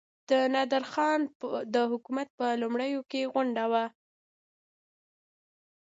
د نادرخان د حکومت په لومړیو کې غونډه وه.